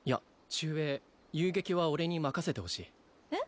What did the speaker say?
中衛遊撃は俺に任せてほしいえっ？